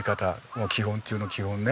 もう基本中の基本ね。